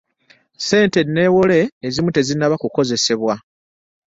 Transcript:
Ssente enneewole ezimu tezinnaba kukozesebwa.